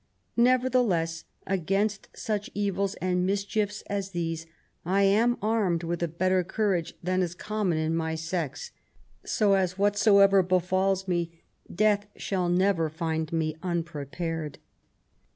Nevertheless, against such evils and mis chiefs as these, I am armed with a better courage than is common in my sex : so as whatsoever befals me, death shall never find me unprepared."